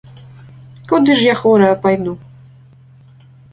Куды ж я хворая пайду?